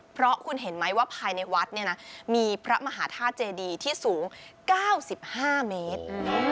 เพราะคุณเห็นไหมว่าภายในวัดเนี่ยนะมีพระมหาธาตุเจดีที่สูง๙๕เมตร